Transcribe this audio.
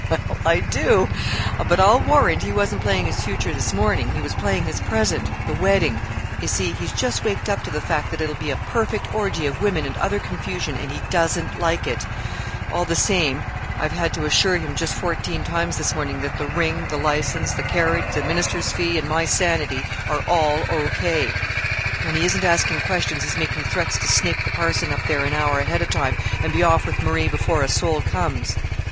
"Well, I do. But I'll warrant he wasn't playing his future this morning. He was playing his present the wedding. You see, he's just waked up to the fact that it'll be a perfect orgy of women and other confusion, and he doesn't like it. All the samee, I've had to assure him just fourteen times this morning that the ring, the license, the carriage, the minister's fee, and my sanity are all O. K. When he isn't asking questions he's making threats to snake the parson up there an hour ahead of time and be off with Marie before a soul comes."